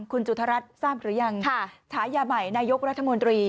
คุณจุธรัฐทราบหรือยังฉายาใหม่นายกรัฐมนตรี